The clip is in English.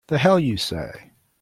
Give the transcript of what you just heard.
The hell you say!